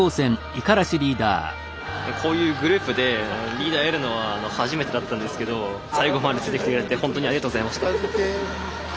こういうグループでリーダーやるのは初めてだったんですけど最後までついてきてくれて本当にありがとうございました。